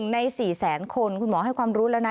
ใน๔แสนคนคุณหมอให้ความรู้แล้วนะ